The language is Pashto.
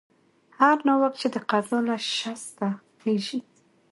هر ناوک چې د قضا له شسته خېژي.